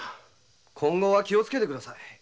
今後は気をつけて下さい。